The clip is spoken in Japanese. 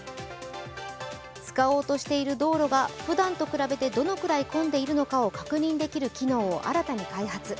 使おうとしている道路がふだんと比べてどのくらい混んでいるのかを確認できる機能を新たに開発。